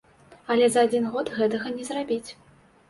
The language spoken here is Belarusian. Але за адзін год гэтага не зрабіць.